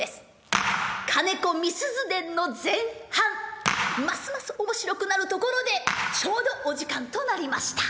「金子みすゞ伝」の前半ますます面白くなるところでちょうどお時間となりました。